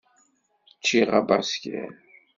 Ččiɣ abaskiḍ.